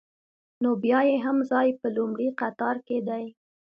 نو بیا یې هم ځای په لومړي قطار کې دی.